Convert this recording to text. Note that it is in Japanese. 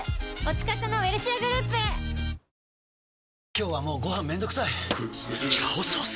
今日はもうご飯めんどくさい「炒ソース」！？